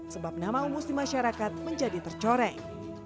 sebab nama umus di masyarakat menjadi tercoreng